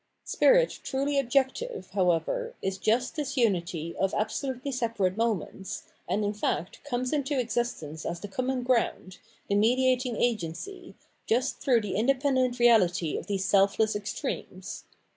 Spirit truly objective, however, is just this umty of absolutely separate moments, and in fact comes into existence as the common ground, the mediating agency, just through the independent reahty of these self less extremes.